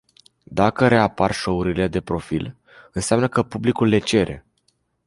Dacă reapar show-urile de profil, înseamnă că publicul le cere.